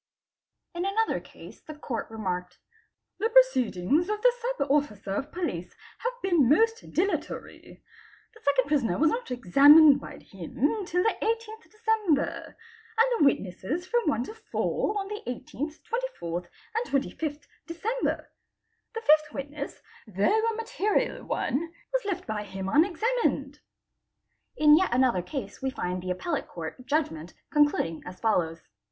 In another case the Court remarked :—' The proceedings of the Sub Officer of Police have been most dilatory. The 2nd prisoner was not examined by him till the 18th December, and the witnesses from 1 to 4 on the 18th, 24th, and 25th, December. The 5th witness though a . material one, was left by him unexamuined.'' 3 In yet another case we find the Appellate Court judgment conclud ing as follows.